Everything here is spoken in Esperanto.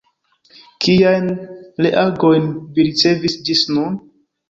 Kiajn reagojn vi ricevis ĝis nun?